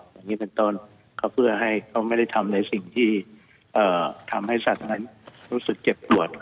อย่างนี้เป็นต้นก็เพื่อให้เขาไม่ได้ทำในสิ่งที่ทำให้สัตว์นั้นรู้สึกเจ็บปวด